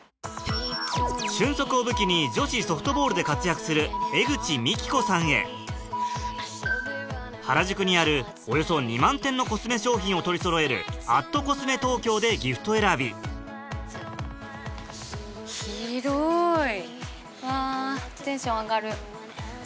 俊足を武器に女子ソフトボールで活躍する江口未来子さんへ原宿にあるおよそ２万点のコスメ商品を取りそろえる「＠ｃｏｓｍｅＴＯＫＹＯ」でギフト選び広い！わテンション上がる。